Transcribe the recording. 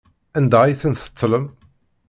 Anda ay ten-tettlem?